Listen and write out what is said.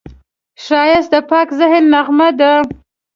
ښایست د پاک ذهن نغمه ده